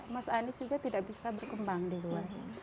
mas anies juga tidak bisa berkembang di luar